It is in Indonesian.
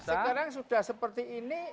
sekarang sudah seperti ini